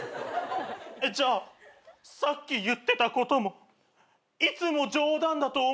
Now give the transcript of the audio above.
じゃあさっき言ってたこともいつも冗談だと思ってたことも。